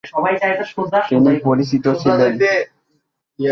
তিনি পরিচিত ছিলেন ।